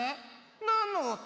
なんのおと？